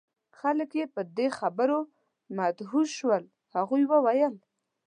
خلک یې په دې خبرو مدهوش شول. هغوی وویل: